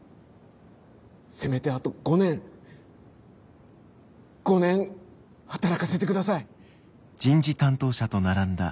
せめてあと５年５年働かせてください。